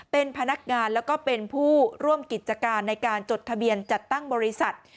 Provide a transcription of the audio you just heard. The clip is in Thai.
เป็นพนักงานแล้วก็เป็นผู้ร่วมกิจการในการจดทะเบียนจัดตั้งบริษัท